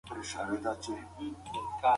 خپل ځان ته د کامیابۍ یو نوی تعریف پیدا کړه.